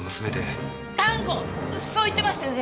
そう言ってましたよね。